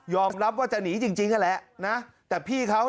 ยอมรับว่าจะหนีจริงแหละแต่พี่เขา